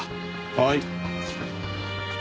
はい。